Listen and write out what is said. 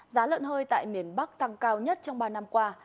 giá lợn hơi tại miền bắc tăng cao nhất trong ba năm qua